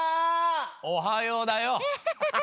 おはようだよ！